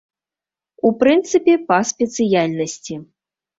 У прынцыпе, па спецыяльнасці.